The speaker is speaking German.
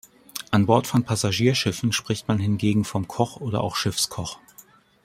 An Bord von Passagierschiffen spricht man hingegen vom Koch oder auch Schiffskoch.